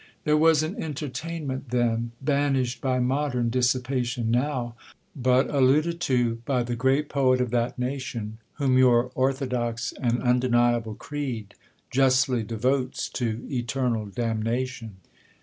'There was an entertainment then, banished by modern dissipation now, but alluded to by the great poet of that nation, whom your orthodox and undeniable creed justly devotes to eternal damnation.